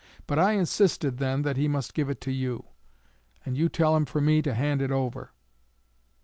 But I insisted then that he must give it to you; and you tell him for me to hand it over."